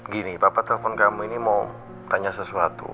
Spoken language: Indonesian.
gini papa telepon kamu ini mau tanya sesuatu